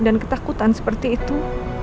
dan ketakutan seperti itu